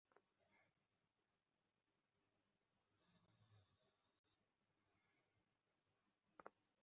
পরে সাংবাদিকদের তিনি বলেছেন, বাংলাদেশের বর্তমান পরিস্থিতি তাঁর কাছে স্বাভাবিকই মনে হচ্ছে।